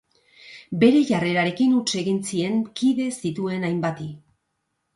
Bere jarrerarekin huts egin zien kide zituen hainbati.